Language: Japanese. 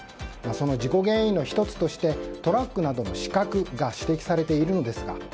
その事故原因の１つとしてトラックなどの死角が指摘されているのですが。